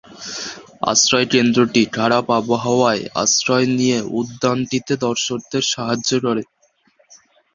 আশ্রয় কেন্দ্রটি খারাপ আবহাওয়ায় আশ্রয় নিয়ে উদ্যানটিতে দর্শকদের সাহায্য করে।